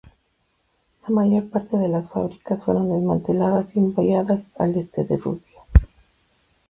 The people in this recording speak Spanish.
La mayor parte de las fábricas fueron desmanteladas y enviadas al este de Rusia.